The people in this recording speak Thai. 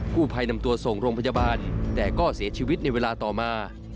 ผู้ภัยนำตัวส่งโรงพยาบาลแต่ก็เสียชีวิตในเวลาต่อมา